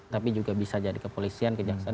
tapi juga bisa jadi kepolisian kejaksaan